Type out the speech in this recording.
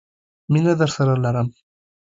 مينه درسره لرم.